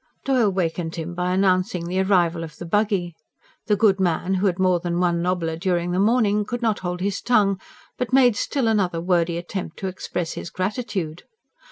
Doyle wakened him by announcing the arrival of the buggy. The good man, who had more than one nobbler during the morning could not hold his tongue, but made still another wordy attempt to express his gratitude.